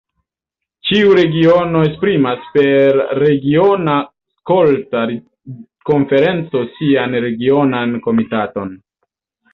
Ĉiu regiono esprimas per regiona skolta konferenco sian regionan komitaton.